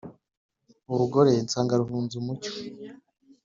Urugore nsanga ruhunze umucyo